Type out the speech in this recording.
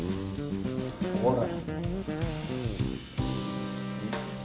ほら。